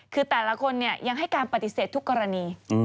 คือแต่ละคนยังให้การปฏิเสธทุกกรณี